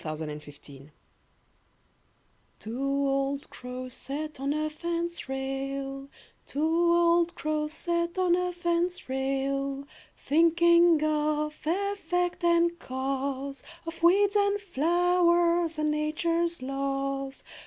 Two Old Crows Two old crows sat on a fence rail, Two old crows sat on a fence rail, Thinking of effect and cause, Of weeds and flowers, And nature's laws.